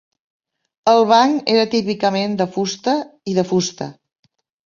El banc era típicament de fusta i de fusta.